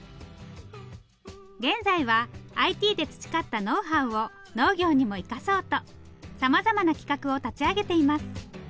現在はＩＴで培ったノウハウを農業にも生かそうとさまざまな企画を立ち上げています。